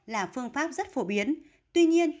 là phương pháp rất phổ biến tuy nhiên